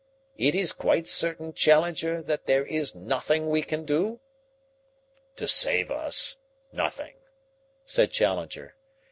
Is it quite certain, Challenger, that there is nothing we can do?" "To save us nothing," said Challenger.